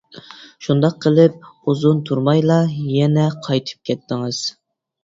شۇنداق قىلىپ ئۇزۇن تۇرمايلا يەنە قايتىپ كەتتىڭىز.